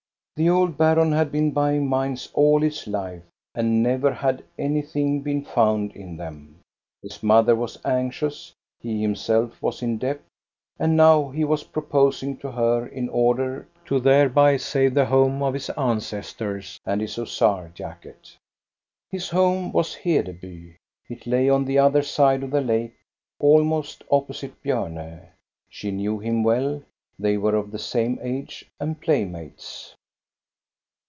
The old baron had been buying mines all his life, and never had anything been found in them. His mother was anxious, he himself was in debt, and now he was proposing to her in order to thereby save the home of his ancestors and his hussar jacket. His home was Hedcby; it lay on the other side of the lake, almost opposite Bjbrne. She knew hira well ; they were of the same age and playmates.